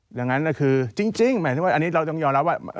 อย่างนั้นก็คือจริงหมายถึงว่าอันนี้เราต้องยอมรับว่า